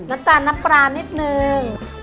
น้ำตาลน้ำปลานิดนึง